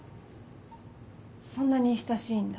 そんなに親しいんだ。